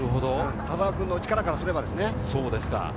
田澤君の力からすればですね。